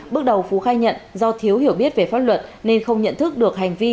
bước đầu phú khai nhận do thiếu hiểu biết về pháp luật nên không nhận thức được hành vi